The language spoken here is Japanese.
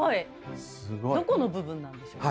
どこの部分なんでしょうね。